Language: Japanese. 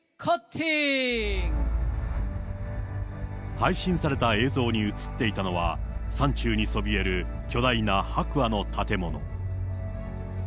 配信された映像に映っていたのは、山中にそびえる巨大な白亜の建物。